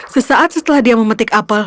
sesaat setelah dia memetik apel